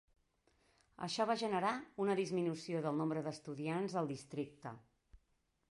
Això va generar una disminució del nombre d"estudiants al districte.